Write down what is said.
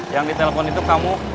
yang ditelepon itu kamu